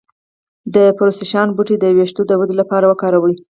د پرسیاوشان بوټی د ویښتو د ودې لپاره وکاروئ